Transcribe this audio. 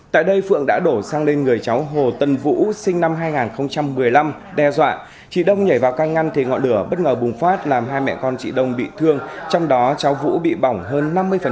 tại đây phượng đã đổ xăng lên người cháu hồ tân vũ sinh năm hai nghìn một mươi năm đe dọa chị đông nhảy vào can ngăn thì ngọn lửa bất ngờ bùng phát làm hai mẹ con chị đông bị thương trong đó cháu vũ bị bỏng hơn năm mươi